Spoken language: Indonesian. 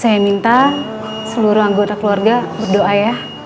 saya minta seluruh anggota keluarga berdoa ya